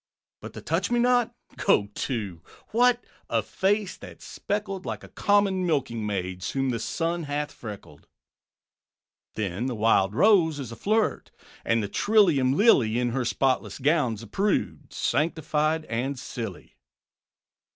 'But the Touchmenot?' Go to! What! a face that's speckled Like a common milking maid's, Whom the sun hath freckled. Then the Wild Rose is a flirt; And the trillium Lily, In her spotless gown, 's a prude, Sanctified and silly.